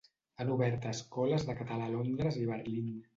Han obert escoles de català a Londres i Berlín.